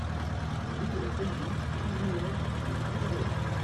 Rue de la Pennerie, Ourouer-les-Bourdelins